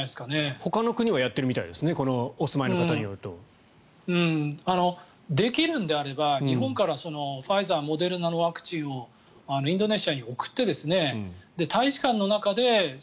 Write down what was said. ほかの国はやってるみたいですねお住まいの方によると。できるんであれば日本からファイザーモデルナのワクチンをインドネシアに送って大使館の中で。